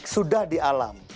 sudah di alam